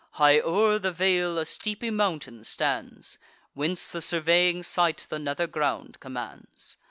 High o'er the vale a steepy mountain stands, Whence the surveying sight the nether ground commands.